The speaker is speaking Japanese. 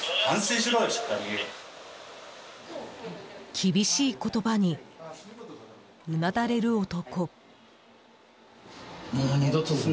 厳しい言葉に、うなだれる男。